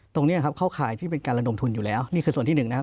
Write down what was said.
ตรงนี้เข้าขายที่เป็นการละลงทุนอยู่แล้วนี่คือส่วนที่๑นะครับ